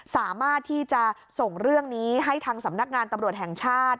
สามารถที่จะส่งเรื่องนี้ให้ทางสำนักงานตำรวจแห่งชาติ